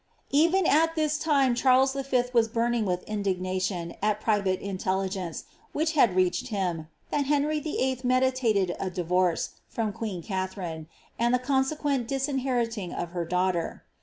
Even at this very time Charles V. was burning with indignation at private intelligence, which had reached him, that Henry VIII. meditated i diroree from queen Katharine, and the consequent disinheriting of her dai^ter.